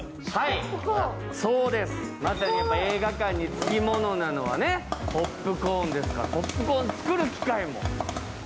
まさに映画館につきものなのはポップコーンですから、ポップコーンを作る機械も。